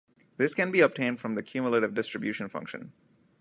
This can be obtained from the cumulative distribution function.